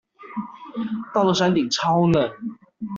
到了山頂超冷